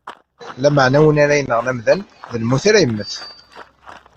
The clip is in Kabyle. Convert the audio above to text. Lameɛna win ara yenɣen amdan, d lmut ara yemmet.